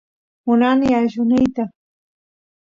munani allusniyta